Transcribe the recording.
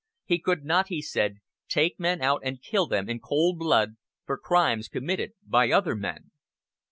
He could not, he said, take men out and kill them in cold blood for crimes committed by other men.